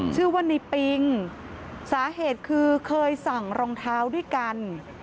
ชื่อว่าในปิงสาเหตุคือเคยสั่งรองเท้าด้วยกัน